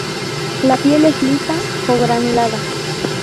La piel es lisa o granulada.